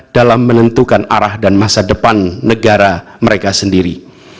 dalam menentukan arah dan masa depan negara mereka sendiri